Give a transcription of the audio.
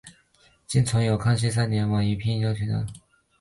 今存有康熙三年宛平于藻庐陵刻本。